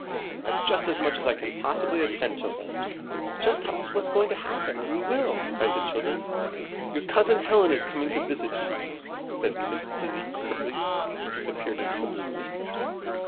I've just as much as I can possibly attend to till then." "Just tell us what's going to happen, and we will," cried the children. "Your Cousin Helen is coming to visit us," said Miss Izzie, curtly, and disappeared into the Blue room.